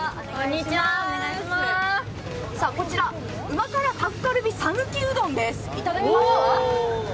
こちら、旨辛タッカルビ讃岐うどんです。